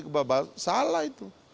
demokrasi kebablasan salah itu